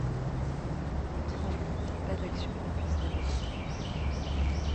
Tremble. Pas d’action qu’on puisse dérober